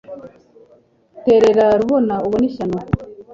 terera rubona ubone ishyano